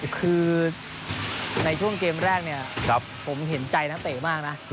คือในช่วงเกมแรกนะครับผมเห็นใจนาเตตะมากน่ะ